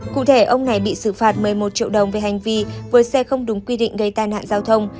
cụ thể ông này bị xử phạt một mươi một triệu đồng về hành vi với xe không đúng quy định gây tai nạn giao thông